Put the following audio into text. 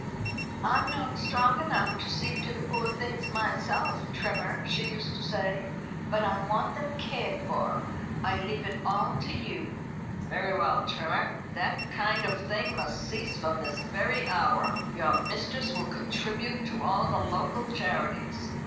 'I'm not strong enough to see to the poor things myself, Trimmer,' she used to say, 'but I want them cared for. I leave it all to you.'" "Very well, Trimmer. That kind of thing must cease from this very hour. Your mistress will contribute to all the local charities.